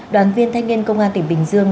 đoàn viên thanh niên công an tỉnh bình dương